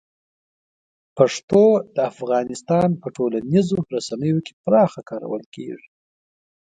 پښتو د افغانستان په ټولنیزو رسنیو کې پراخه کارول کېږي.